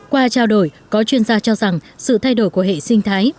qua trao đổi có chuyên gia cho rằng sự thay đổi của hệ sinh thái